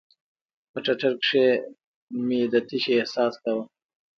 په ټټر کښې مې د تشې احساس کاوه.